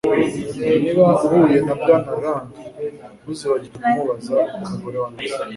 Niba uhuye na Bwana Lang ntuzibagirwe kumubaza uko umugore we ameze